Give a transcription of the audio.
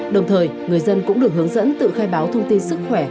đồng thời người dân cũng được hướng dẫn tự khai báo thông tin sức khỏe